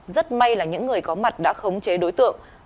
rất may là những người có mặt đã khống chế đối tượng